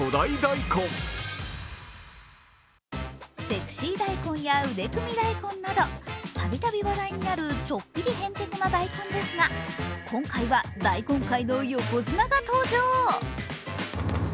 セクシー大根や腕組み大根などたびたび話題になるちょっぴりヘンテコな大根ですが今回は大根界の横綱が登場。